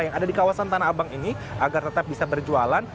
yang ada di kawasan tanah abang ini agar tetap bisa berjualan